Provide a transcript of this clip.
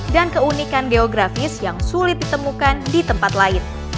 dan keunikan geografis yang sulit ditemukan di tempat lain